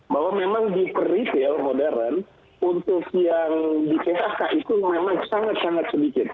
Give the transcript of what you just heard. bahwa memang di retail modern untuk yang di phk itu memang sangat sangat sedikit